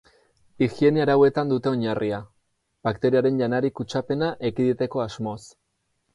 Higiene arauetan dute oinarria, bakterioaren janari kutsapena ekiditeko asmoz.